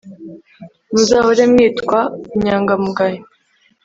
muzahore mwitwa inyangamugayo